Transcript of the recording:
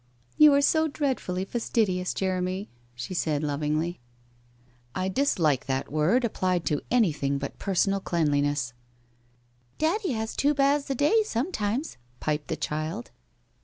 ' You are so dreadfully fastidious, Jeremy,' she said, lovingly. ' I dislike that word applied to anything but personal cleanliness.' 74 WHITE ROSE OF WEARY LEAF 75 ' Daddy has two baths a day sometimes/ piped the child.